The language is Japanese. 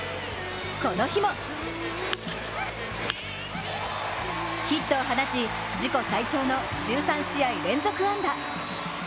この日もヒットを放ち、自己最長の１３試合連続安打。